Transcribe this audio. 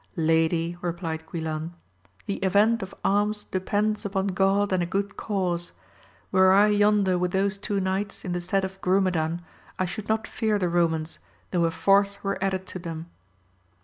Lady, replied Guilan, the event of arms depends upon God and a good cause ; were I yonder with those two knights, in the stead of Grumedan, I should not fear the Romans, though a fourth were added to them.